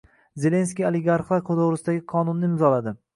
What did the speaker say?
Zelenskiy oligarxlar to‘g‘risidagi qonunni imzoladi